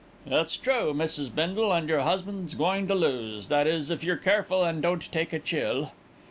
"It's true, Mrs. Bindle, and your husband's going to lose, that is if you're careful and don't take a chill."